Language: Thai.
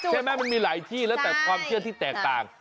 มันมีหลายที่แล้วแต่ความเชื่อที่แตกต่าง